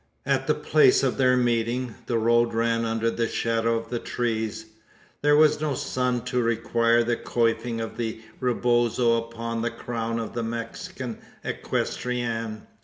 At the place of their meeting, the road ran under the shadow of the trees. There was no sun to require the coifing of the rebozo upon the crown of the Mexican equestrian.